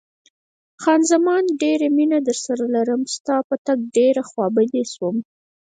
خان زمان: ډېره مینه درسره لرم، ستا په تګ ډېره خوابدې شوم.